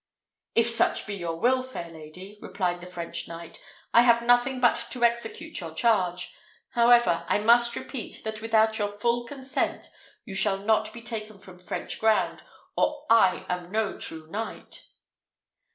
"If such be your will, fair lady," replied the French knight, "I have nothing but to execute your charge. However, I must repeat, that without your full consent you shall not be taken from French ground, or I am no true knight."